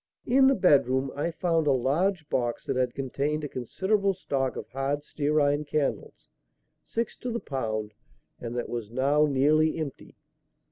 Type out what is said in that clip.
In the bedroom I found a large box that had contained a considerable stock of hard stearine candles, six to the pound, and that was now nearly empty.